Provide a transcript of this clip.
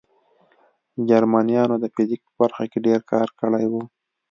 جرمنانو د فزیک په برخه کې ډېر کار کړی و